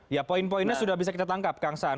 ya poin poinnya sudah bisa kita tangkap kang saan